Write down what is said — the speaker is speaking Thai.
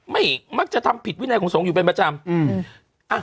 ไม่มักจะทำผิดวินัยของสงฆ์อยู่เป็นประจำ